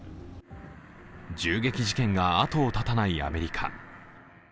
銃撃事件をあとを絶たないアメリカ。